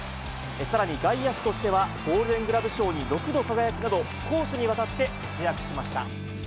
さらに外野手としてゴールデングラブ賞に６度輝くなど、攻守にわたって活躍しました。